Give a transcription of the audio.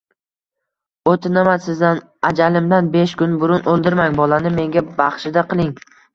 Oʻtinaman sizdan, ajalimdan besh kun burun oʻldirmang, bolani menga baxshida qiling